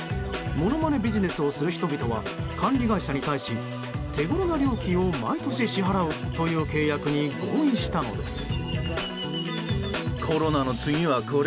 ものまねビジネスをする人々は管理会社に対し手ごろな料金を毎年支払うという契約に合意したのです。